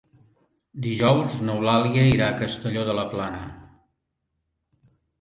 Dijous n'Eulàlia irà a Castelló de la Plana.